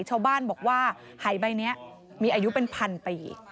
ชาวบ้านบอกว่าหายใบนี้มีอายุเป็นพันปี